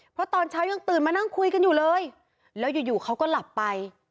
เพราะตอนเช้ายังตื่นมานั่งคุยกันอยู่เลยแล้วอยู่เขาก็หลับไป